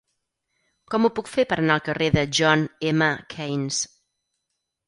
Com ho puc fer per anar al carrer de John M. Keynes?